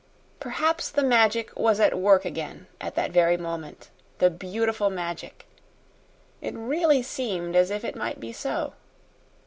Perhaps the Magic was at work again at that very moment the beautiful Magic. It really seemed as if it might be so.